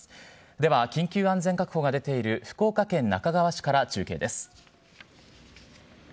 では緊急安全確保が出ている福岡県那珂川市から中継です。